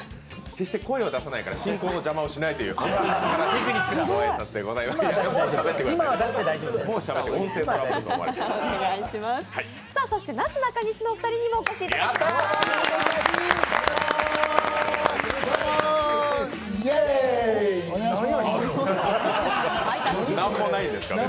決して声を出さないから進行の邪魔をしないということですね。